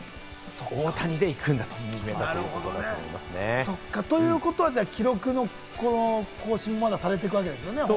大谷で行くんだと決めたということだと思われますね。ということは記録の更新もまだされていくわけですね。